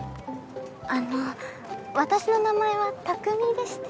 あの私の名前は「匠」でして。